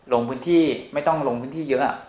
ลงพื้นที่ไม่ต้องลงพื้นที่เยอะ